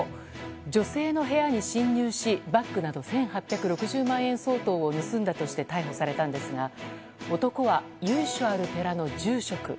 女性の部屋に侵入しバッグなど１８６０万円相当を盗んだとして逮捕されたんですが男は由緒ある寺の住職。